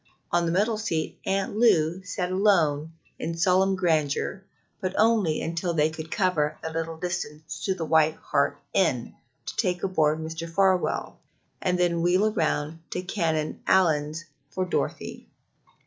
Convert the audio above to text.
On the middle seat Aunt Lou sat alone in solemn grandeur, but only until they could cover the little distance to the White Hart Inn to take aboard Mr. Farwell, and then wheel round to Canon Allyn's for Dorothy.